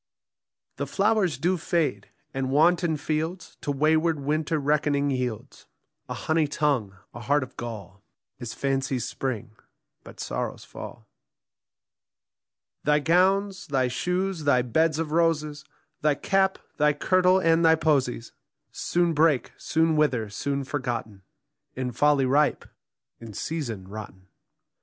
The flowers do fade ; and wanton fields To wayward winter reckoning yields : A honey tongue, a heart of gall, Is fancy's spring, but sorrow's fall. Thy gowns, thy shoes, thy beds of roses, Thy cap, thy kirtle, and thy posies Soon break, soon wither, soon forgotten, In folly ripe, in reason rotten.